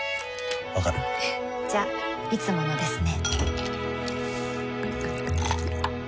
わかる？じゃいつものですね